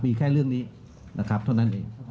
มีแค่เรื่องนี้นะครับเท่านั้นเอง